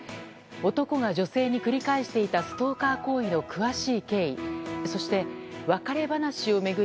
男が女性に繰り返していたストーカー行為の詳しい経緯そして別れ話を巡り